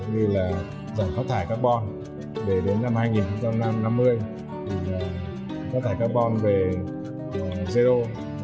giảm khóa thải carbon để đến năm hai nghìn năm mươi khóa thải carbon về zero